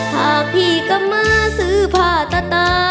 หากพี่กลับมาซื้อผ้าตาตา